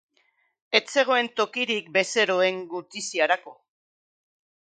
Ez zegoen tokirik bezeroen gutiziarako.